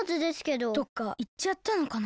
どっかいっちゃったのかな？